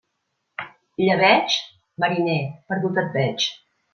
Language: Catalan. Llebeig?, mariner, perdut et veig.